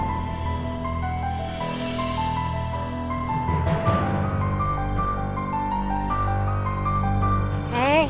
tadi kamu kejar dia